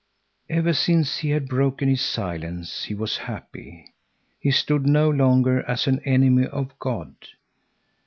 Ever since he had broken his silence he was happy. He stood no longer as an enemy of God.